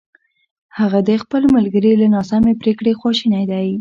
هغه د خپل ملګري له ناسمې پرېکړې خواشینی دی!